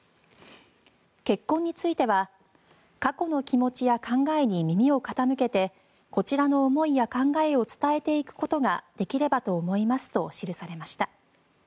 結婚については佳子の気持ちや考えに耳を傾けてこちらの思いや考えを伝えていくことができればと思いますと記されました。